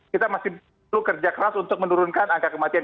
kita masih perlu kerja keras untuk menurunkan angka kematian